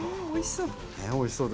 うんおいしそう。